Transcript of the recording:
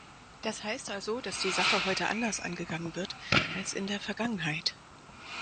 Das heißt also, dass die Sache heute anders angegangen wird als in der Vergangenheit.